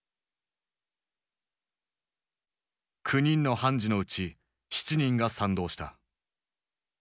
９人の判事のうち７人が賛同した。